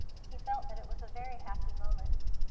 He felt that it was a very happy moment.